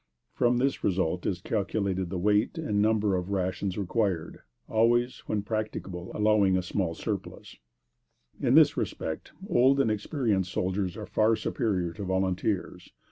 From this result is calculated the weight and number of the rations required, always, when practicable, allowing a small surplus. In this respect old and experienced soldiers are far superior to volunteers.